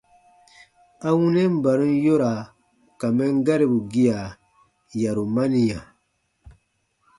A wunɛn barum yoraa ka mɛn garibu gia, yarumaniya.